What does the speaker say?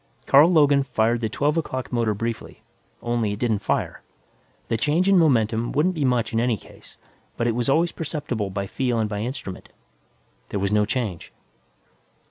Carl Logan fired the twelve o'clock motor briefly only it didn't fire. The change in momentum wouldn't be much in any case, but it was always perceptible by feel and by instrument. There was no change.